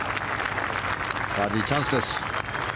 バーディーチャンスです。